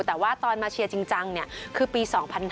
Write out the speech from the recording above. แต่ว่าตอนมาเชียร์จริงจังคือปี๒๕๕๙